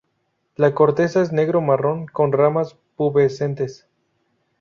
La corteza es negro-marrón; con ramas pubescentes.